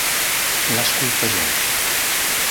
L'has colpejat.